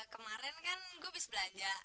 kemarin kan gue habis belanja